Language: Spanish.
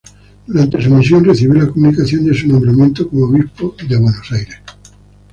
Durante su misión recibió la comunicación de su nombramiento como obispo de Buenos Aires.